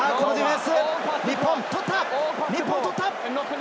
日本取った！